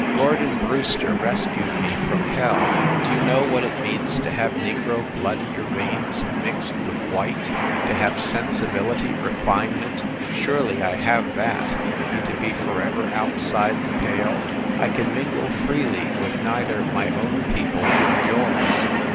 Gordon Brewster rescued me from hell. Do you know what it means to have negro blood in your veins mixed with white to have sensibility, re finement surely I have that and to be for ever outside the pale? I can mingle freely with neither my own people nor yours.